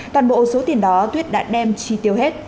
toàn bộ số tiền đó tuyết đã đem chi tiêu hết